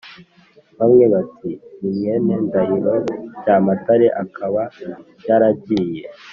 bamwe bati ni mwene ndahiro cyamatare, akaba yaragiye